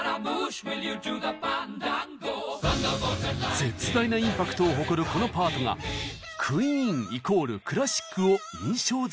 絶大なインパクトを誇るこのパートがクイーンイコールクラシックを印象づけてきました。